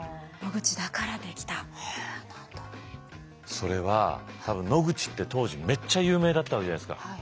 それは多分野口って当時めっちゃ有名だったわけじゃないですか。